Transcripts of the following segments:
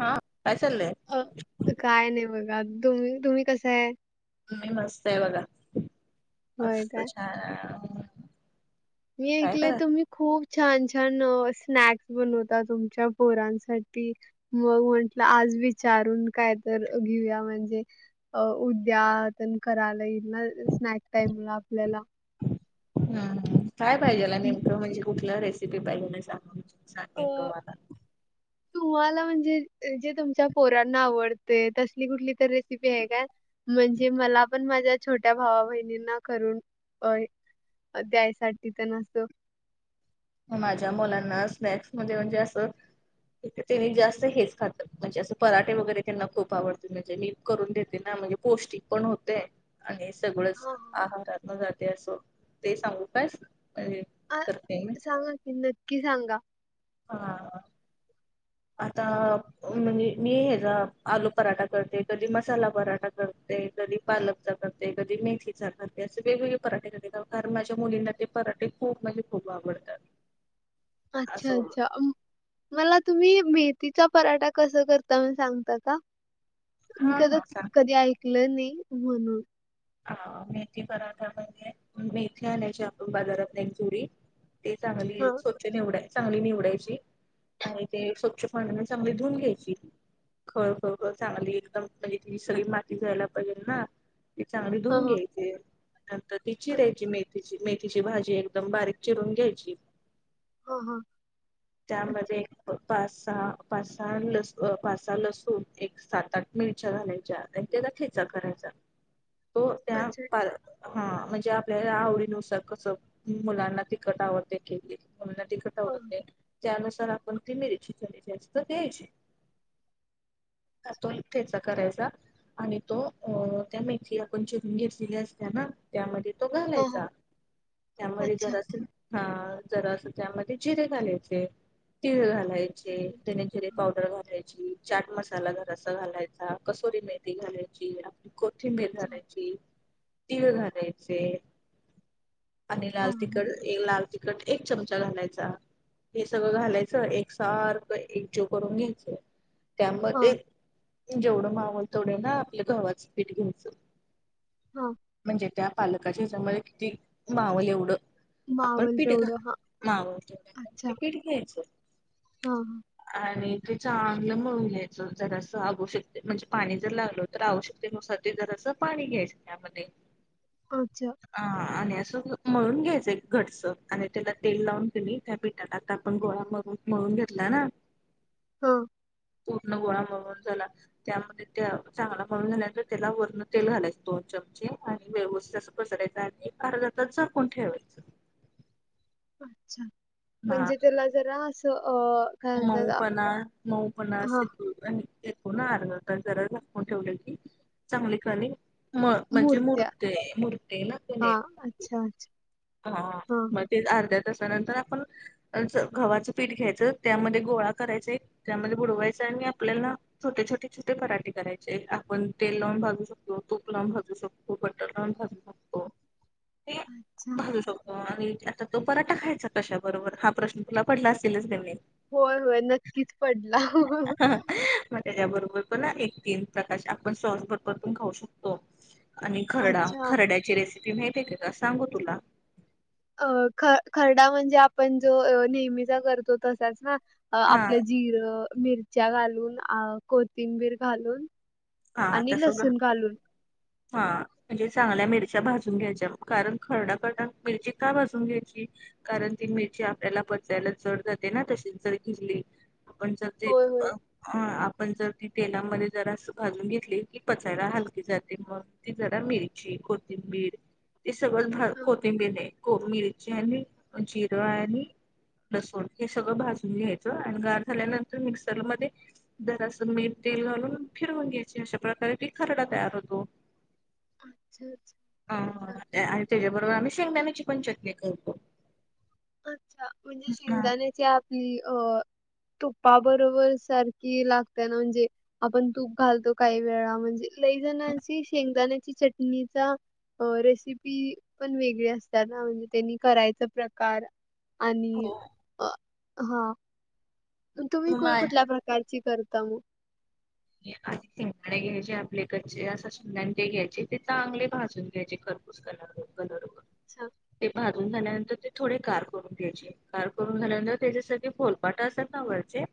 हां, काय चाललंय? अ काय नही बघा, तुम-तुम्ही कसं हाय? मी मस्त ये बघा, होय मस्त काय? छान मी काय ऐकलेय करा तुम्ही खूप छान- छान स्नॅक्स बनवता, तुमच्या पोरांसाठी. मग म्हटलं, आज विचारून काय तर घेऊया, म्हणजे अ उद्या, तेन करायला येईल ना, स्नॅक टाइमला आपल्याला. हम काय पाहिजेल नेमकं, म्हणजे कुठलं रेसिपी पाहिजे, ना सांग-सांगेन तुम्हाला. तू म्हाला, म्हणजे जे तुमच्या पोरांना आवडते, तसली कुठली तर रेसिपी आहे काय? म्हणजे मला पण, माझ्या छोट्या भावा- बहिणींना, करून अ द्यायसाठी ते न, अस म माझ्या मुलांना स्नॅक्स मध्ये, म्हणजे असं तेनी जास्त हेच खातात, म्हणजे असं पराठे वगैरे, त्यांना खूप आवडते, म्हणजे मी करून देते ना म्हणजे पौष्टिक पण होतय आणि सगळंचं हां, हां. आहारातन जातय असं ते सांगू काय म्हणजे. आ करते मी सांगा की नक्की सांगा. हां! आता म्हणजे मी हेचा आलू पराठा करते, कधी मसाला पराठा करते, कधी पालक चा करते, कधी मेथीचा करते, असे वेगवेगळे पराठे करते कारण माझ्या मुलींना ते पराठे खुप म्हणजे खूप आवडतात. अच्छा असं अच्छा अं. मला तुम्ही मेथीचा पराठा कस करता म सांगता का? मी हा हा सांग कध-कधी ऐकलं नाही म्हणून. अ मेथी पराठा म्हणजे मेथी आणायची आपण बाजारात [unintelligible] ते चांगली हां, चूर चांगली निवडायांची आणि ते स्वच्छ पाणाने चांगली धुून घ्यायची. खळ, खळ, खळ, चांगली एकदम म्हणजे ति सगळी माती जायला पाहिजे ना. ती चांगली हां, धुून हां. घ्यायचीय नंतर ति चीरायची मे थीची मेथीची भाजी एकदम बारीक चिरून घ्यायची. हां, हां. अच्छा, त्यामधे प-पाच सहा, पाच सहा लस अ पाच सहा लसूण एक सात आठ मिरच्या घालायच्या. अन त्याचा ठेचा करायचा तो त्या अच्छा. पाल हा म्हणजे आपल्या आवडीनुसार कसं, मुलांना तीखट आवडते की. मुलांना तिखट हां, आवडत नाही, त्यानुसार आपण ती मिरची कमी जास्त द्यायची. कातुल ठेचा करायचा, आणि तो अ त्या मे थी आपण चिरून घेतलेली असतीय ना. त्यामध्ये तो हां, हां. घालायचा त्यामध्ये अच्छा. जरास हा जरास त्यामध्ये जिरे घालायचे, तिळ घाला यचे, हं. धने जिरे पावडर घालायची. चाट मसाला जराचा घालायचा, कसोरी मेथी घालायची, आपली को थींबीर अच्छा. घालायची, तीळ घालायचे. आणि लाल हां, हां. तिखट, ए लाल तिखट एक चमचा घालायचा. हे सगळं घालायचं, एकसारखं एकजीव करून घ्यायचंय. त्यामध्ये हां, जेवढं मावोल तेवढं ना आपलं गव्हाच पीठ घ्यायचं. हां. म्हणजे त्या पालकाच्या याच्या मध्ये किती मावल एवढं. आपण मावेल पिट घा तेवढं. हां. मावलं तेवढं ते पीठ घ्यायचं. हा हा! आणि ते चांगलं मळुन घ्यायचं जरांअसं आवोशकते म्हणजे पाणी जर लागल तर आवशक. ते नुसाठी जरास पाणी घ्यायचं त्यामध्ये. अच्छा! हा आणि असं मळून घ्यायचं एक घटस आणि त्याला तेल लावून तेनी. पिठात आता आपण गोळा मरुन मळून घेतला ना. हं! पूर्ण गोळा मळून झाला, त्यामध्ये त्या चांगला मळून झाल्या त्याला वरण तेल घालायचं दोन चमचे आणि व्यवस्थित अस पसरायचं, आणि अर्धातास झाकून ठेवायचं. अच्छा म्हणजे त्याला जरा असं अ! काय मऊ म्हणतात पणा मऊ पणा हां, असे. आणि ते पुन्हा अर्धातास जरा झाकून ठेवल की चांगली कनी म म्हणजे मुरत्या. मूर्ते, मूर्ते ना कुणी हां. अच्छा अच्छा. हा हां, मग हां. ते अर्ध्या तासानंतर आपण असं गव्हाचं पीठ घ्यायचं, त्यामध्ये गोळा करायचं एक त्यामध्ये बुडवायचं, आणि आपल्याला छोटे छोटे छोटे पराठे करायचे. आपण तेल लावून भाजू शकतो, तूप लावून भाजू शकतो, बटर लावून भाजू शो [inaudible] अच्छा. करतो. आणि आता तो पराठा खायचा कशा बरोबर? हा प्रश्न तुला पडला असेलच की नाही. होय, होय, नक्कीच पडला. हं हं म्हणजे या बरोबर पण ना एक तीन प्रकार, आपण सॉस बरोबर पण खाऊ शकतो. आणि खरडा, अच्छा. खरड्याची रेसिपी माहिती आहेे का, सांगू तुला? अ ख खरडा म्हणजे, आपण जो नेहमीचा करतो तसाच ना. अ हा आपलं जिरं, मिरच्या घालून अ कोथिंबीर घालून हा आणि तस लसून घालून. हा. म्हणजे चांगल्या मिरच्या भाजून घ्यायच्या. कारण खरडा करत मिरची का भाजून घ्यायची? कारण ती मिरची आपल्याला पचायला जड जाते ना, तशीच जर घेतली आपण जर ते होय, होय. हा. आपण जर ती तेलामध्ये जरा असं भाजून घेतली, की पचायला हलकी जाते. मग ती जरा मिरची, कोथिंबीर ती सगळंच भा हां. कोथिंबीर हो. मिरची आणि जिर आणि लसूण हे सगळं भाजून घ्यायचं, आणि गार झाल्यानंतर मिक्सरमध्ये जरासं मीठ, तेल घालून फिरवून घ्यायचे. अशा प्रकारे ते खरडा तयार होतो. अच्छा, अच्छा. अ हा. आणि त्याच्याबरोबर आम्ही शेंगदाण्याची पण चटणी करतो. अच्छा! म्हणजे हा. शेंगदाण्याची आपली अं तुपा बरोबर सारखी लागते ना, म्हणजे आपण तूप घालतो काही वेळा. म्हणजे लय जणांची शेंगदाण्याची चटणीचा अ रेसिपी पण वेगळी असतात ना. म्हणजे त्यांनी करायचा प्रकार आणि, हो. अं हा. तुम्ही मग कोण माझे कुठल्या प्रकारची करता मग? आधी शेंगदाणे घ्यायचे आपले कच्चे. असे शेंगदाणे ते घ्यायचे, ते चांगले भाजून घ्यायचे क अच्छा. [unintelligible] ते भाजून झाल्यानंतर ते थोडे गार करून घ्यायचे. गार करून झाल्यानंतर, त्याच्यासाठी फोलपाट असतात ना घरचे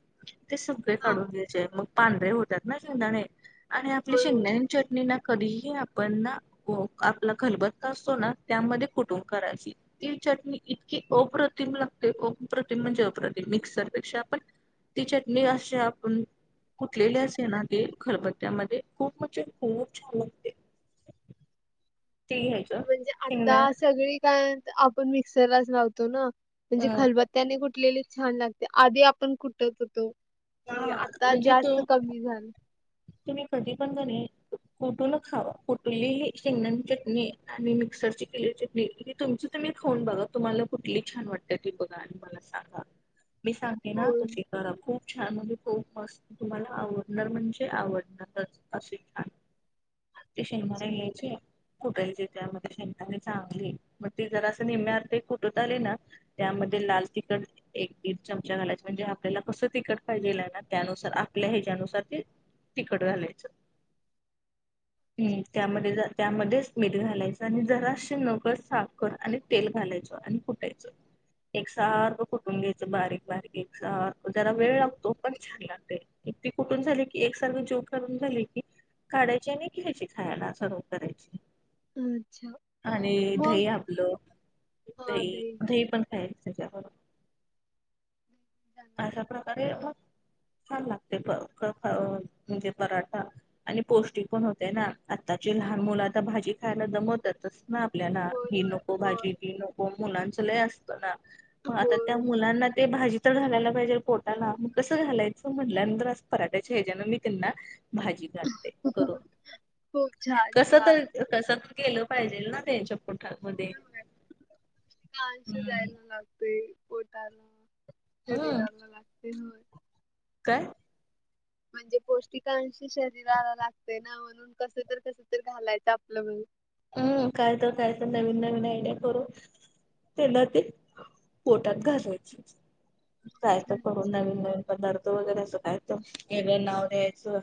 ते सगळे हां. काढून घ्यायचे, मग पांढरे होतात ना गदाणे. आणि आपली होय, होय. शेंगदाने चटणी ना, कधीही आपण ना हो. आपला खलबत्ता असतो ना, त्यामध्ये कुटुन काढायची. ती चटणी इतकी अप्रतिम लागते, अप्रतिम म्हणजे अप्रतिम. मिक्सरपेक्षा पण ती चटणी अशी आपण कुटलेले असेल ना, म्हण ते खरबत्त्यामध्ये खूप म्हणजे खूप छान ती घ्यायची. म्हणजे आता सगळी काय आपण मिक्सरलाच लावतो ना. अ म्हणजे खलब त्याने कुटलेली छान लागते. आधी आपण कुटत होतो. की हा आता म्हणजे जास्त तो कमी झालं. तुम्ही कधी पण करेल कुठून खावा. कुठलेली शेंगदा चटणी आणि मिक्सरची केलेली चटणी ही तुमची तुम्ही खाऊन बघा तुम्हाला कुठली छान वाटते ती बघा आणि मला सांगा. ह मी सांगते ना ते करा खूप छान म्हणजे खूप मस्त तुम्हाला आवडणार म्हणजे आवडणारच असे छान, ते शेंगदाणे घ्यायचे कुटायचे त्यामध्ये शेंगदाणे चांगले मग ते जरासं निम्मे अर्धे कुटत आले ना त्यामध्ये लाल तिखट एक दीड चमचा घालायचा म्हणजे आपल्याला कसं तिकट पाहिजेल आहे ना त्यानुसार आपल्या ह्याच्यानुसार ते तिकट घालायचं. हम्म त्यामध्ये त्यामध्येच मीठ घालायचं आणि जराशी नकळत साखर आणि तेल घालायचं आणि कुटायचं. एक सारखं कुठून घ्यायचं बारीक बारीक एक सारखं जरा वेळ हं, लागतो पण छान लागतंय, ती कुटुन झाली की एक सारखी जोक करून झाली की काढायची आणि घ्यायची खायला सर्व्ह करायची. हं. अच्छा. आणि मग दही आपलं दही दही पण खायचं त्याच्याबरोबर. अशा प्रकारे मग छान लागते फ प म्हणजे पराठा आणि पौष्टिक पण होते ना आत्ताची लहान मुलं आता भाजी खायला दमवतात. तसं ना आपल्याला होय, ही होय, नको होय. भाजी ती नको मुलांचं लय असतं ना. मग आता होय, त्या मुलांना ते भाजी तर घालायला पाहिजे पोटाला मग कसं घालायचं म्हटल्यानंतर असं पराठ्याच्या ह्याच्यान मी त्यांना भाजी घालते करून. हो छान छान. कसंपण गेलं पाहिजेल ना त्यांच्या पोठामध्ये. होय होय पौष्टिकांस हम्म जायला लागतोय. पोटाला हम्म शरीराला लागतंय होय. काय? म्हणजे पौष्टिकांशी शरीराला लागते ना म्हणून कसं तर कसं तर घालायचं आपलं म्हणुन. हम्म काय तर काय तर नवीन नवीन आयडिया करू त्यांना ते पोटात घालायचं. कायतर अच्छा. करून नवीन नवीन पदार्थ वगैरे असं खायचं वेगळं नाव द्यायचं.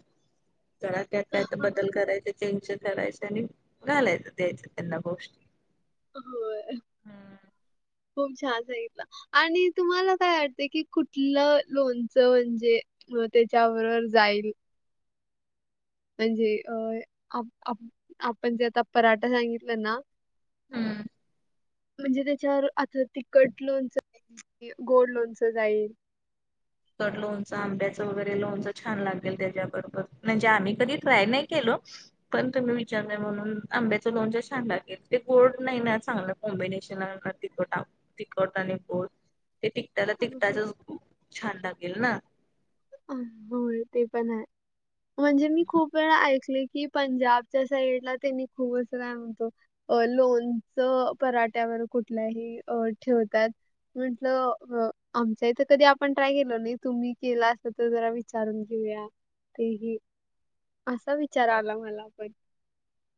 जरा त्यात कायतर बदल करायच चेंज करायचे आणि घालायचं द्यायचं त्यांना गोष्टी. होय, हम्म खूप छान सांगितला. आणि तुम्हाला काय वाटते की कुठलं लोणचं म्हणजे मग त्याच्याबरोबर जाईल. म्हणजे अ आप आप आपण जे आता पराठा सांगितलं ना हम्. म्हणजे त्याच्यावर आता तिखट लोणचं जाईल की गोड लोणचं जाईल. तिखट लोणचं आंब्याचं वगैरे लोणचं छान लागेल त्याच्याबरोबर, म्हणजे आम्ही कधी ट्राय नाही केलो. पण तुम्ही विचारलाय म्हणून आंब्याचं लोणच छान लागलं ते गोड नाही ना चांगलं कॉम्बिनेशन लागणार. तिखट आ तिखट आणि गोड ते तिखटाला अ, तिखटाचाच छान लागेल ना. होय ते पण आहे, म्हणजे मी खूप वेळा ऐकलंय की पंजाब च्या साईडला तेनी खूप असं काय म्हणतो अ लोणचं पराठ्यावर कुठल्याही अ ठेवतात. म्हंटलं आमच्या इथं कधी आपण ट्राय केल नाही तुम्ही केला तर तर जरा विचारून घेऊया ते ही असा विचार आला मला पण.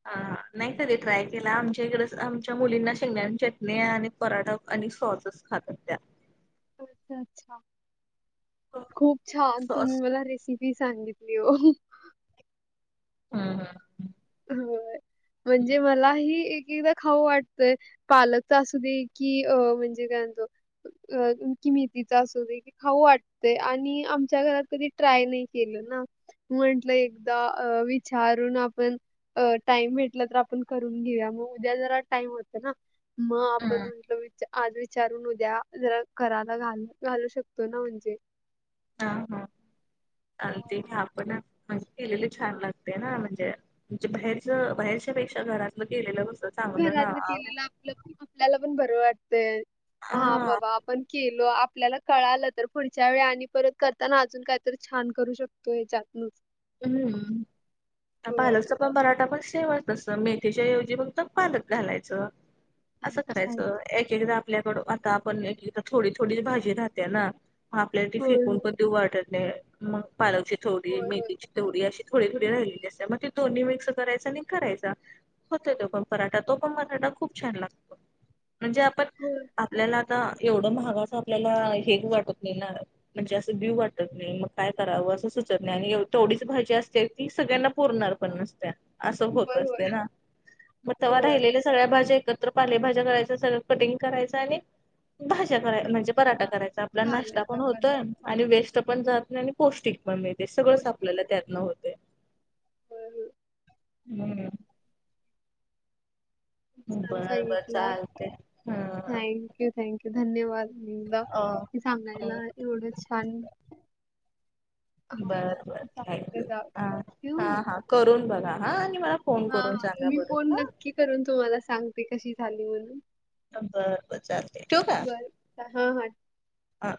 आं नाही तरी ट्राय केला आमच्या इकडेच आमच्या मुलींना शेंगण्या चटणी आणि पराठा आणि सॉसचस खातात त्या. अच्छा अच्छा खूप छान तुम्ही सॉस मला रेसि पी सांगितली हो. हम्म हम्म. हो म्हणजे मलाही एक एकदा खाऊ वाट ते पालक तर असू दे की अ म्हणजे काय म्हणतो अ कि मेथीचा असू दे खाऊ वाटतेय आणि आमच्या घरात कधी ट्राय नाही केलं ना म्हटलं एकदा अ विचारून आपण अ टाइम भेटला तर आपण करून घेऊ म उद्या जरा टाइम होत ना म हम्म आपणम्हटलं वी चा आज विचारून उद्या जरा कराला घाल घालू शकतो ना म्हणजे. हा हा हो आणि तेथे आपणं म्हणजे केलेली छान लागते ना म्हणजे जे बाहेरच बाहेरच्या पेक्षा घरातलं केेलेलं बसत. घरात केलेलं आपलं आपल्याला पण बरं वाटतंय हा बाबा पण केलो आपल्याला कळालं तर पुढच्या वेळी आणि परत करताना अजून काहीतरी छान करू शक तोय हेच्यातनूच हम्म आता आलस चा पराठा पण सेमच तसं मेथीच्या ऐवजी फक्त पालक घालायचं. असं अच्छा करायचं एक-एकदा आपल्याकडो आता आपण एक-एकदा थोडी-थोडी भाजी राहत्या ना आपल्याला ती होय फेकून पण देऊ वाटत नाही मग पालकची थोडी होय होय मेथीची थोडी अशी थोडी-थोडी राहिलेली असतं म ते दोन्ही मिक्स करायचा आणि करायचा. होतोय तो पण पराठा तो पण मराठा खूप छान लागतो म्हणजे आपण होय आपल्याला ता एवढं महागाचं आपल्याला हेगु वाटत नाही ना म्हणजे असं वदेऊ वाटत नाही मग काय करावं असं सुचत नाही आणि ऐव थोडीच भाजी असते ती सगळ्यांना पुरणार पण नसत्या. असं होत होय असते होय ना मग तेव्हा होय राहिलेलं सगळ्या भाज्या एकत्र पालेभज्या करायच सगळं कटिंग करायचं आणि भाज्या कराय होय. म्हणजे पराठा करायचा आपल्याला नाश्ता घालायचा पण परात होतोय आणि वेस्ट पण जात नाही आणि पौष्टिक पण मिळते सगळंस आ पौष्टिक पल्याला त्यातनं होतय. [unintelligible] [unintelligible] छान बरं बरं चालते हा. क्यू थँक्यू धन्यवादा अ [unintelligible] सांगायला हम्म एवढं छान हा बरं बरं चालतंय थँक्यू हा हा करून बघा हा आणि मला फोन हा करून हा सांगा मी बरं फोन हा नक्की करून तुम्हाला सांगते कशी झाली म्हणून. तर बरं बरं चालते ठेऊ का? हा हा. हा.